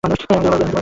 আমি তোমার প্রেমিক।